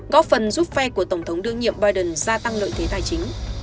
góp phần giúp phe của tổng thống đương nhiệm biden gia tăng lợi thế tài chính